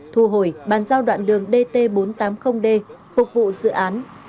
thu hồi bàn giao đoạn đường dt bốn trăm tám mươi d phục vụ dự án